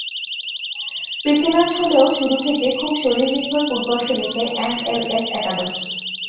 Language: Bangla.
প্রীতি ম্যাচ হলেও শুরু থেকে খুব শরীরনির্ভর ফুটবল খেলেছে এমএলএস একাদশ।